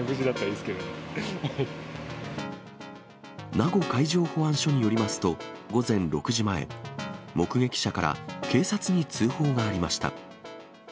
名護海上保安署によりますと午前６時前、目撃者から警察に通報がありました。